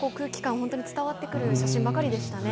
本当に伝わってくる写真ばかりでしたね。